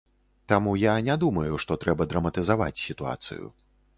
Таму я не думаю, што трэба драматызаваць сітуацыю.